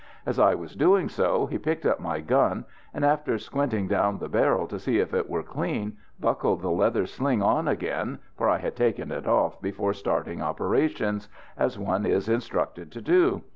As I was doing so he picked up my gun, and after squinting down the barrel to see if it were clean, buckled the leather sling on again, for I had taken it off before starting operations, as one is instructed to do.